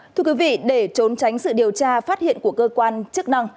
thưa quý vị để trốn tránh sự điều tra phát hiện của cơ quan chức năng